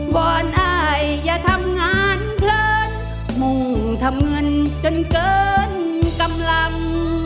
บอลอายอย่าทำงานเพลินมุ่งทำเงินจนเกินกำลัง